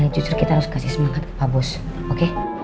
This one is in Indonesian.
justru kita harus kasih semangat ke pak bos oke